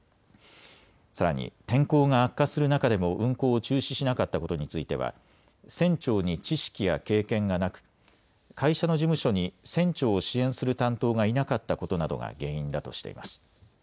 さらに天候が悪化する中でも運航を中止しなかったことについては船長に知識や経験がなく、会社の事務所に船長を支援する担当がいなかったことなどが原因だとしています。